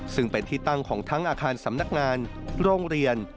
ซึ่งเป็นที่ตั้งของทั้งอาคารสำนักงานโรงเรียน